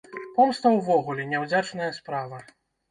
Помста ўвогуле няўдзячная справа.